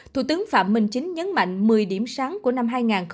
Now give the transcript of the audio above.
thủ tướng phạm minh chính nhấn mạnh một mươi điểm sáng của năm hai nghìn hai mươi